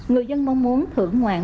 người dân mong muốn thưởng ngoạn